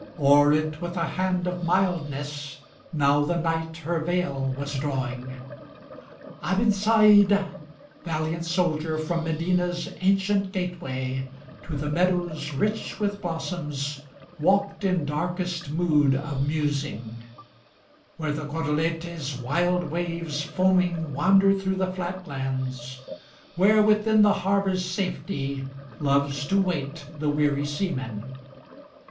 O'er it with a hand of mildness, now the Night her veil was drawing: Abensaïd, valiant soldier, from Medina's ancient gateway, To the meadows, rich with blossoms, walked in darkest mood of musing Where the Guadalete's wild waves foaming wander through the flat lands, Where, within the harbor's safety, loves to wait the weary seaman.